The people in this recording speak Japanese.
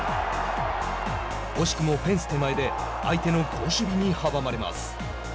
惜しくもフェンス手前で相手の好守備に阻まれます。